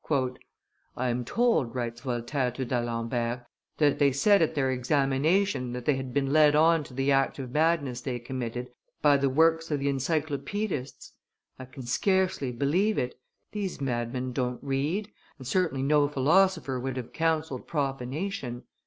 "I am told," writes Voltaire to D'Alembert, "that they said at their examination that they had been led on to the act of madness they committed by the works of the Encyclopaedists. I can scarcely believe it; these madmen don't read; and certainly no philosopher would have counselled profanation.